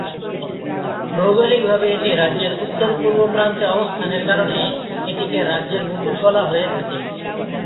ভৌগোলিকভাবে এটি রাজ্যের উত্তর-পূর্ব প্রান্তে অবস্থানের কারণে এটিকে "রাজ্যের মুকুট" বলা হয়ে থাকে।